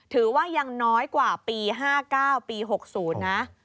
ถือว่ายังน้อยกว่าปี๕๙ปี๖๐นะ